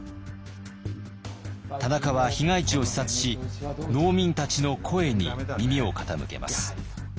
田中は被害地を視察し農民たちの声に耳を傾けます。